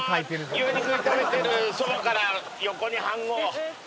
牛肉炒めてるそばから横に飯ごう。